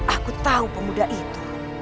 aku tahu pemuda itu